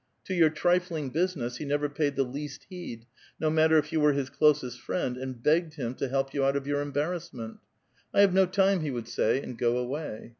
To your ti'ifling business he never paid the least lieed, no matter if you were his closest friend, and begged hini to help you out of your embarrassment. " I have no time," be would say, and go away.